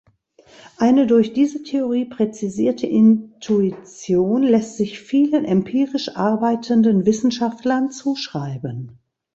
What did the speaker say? Eine durch diese Theorie präzisierte Intuition lässt sich vielen empirisch arbeitenden Wissenschaftlern zuschreiben.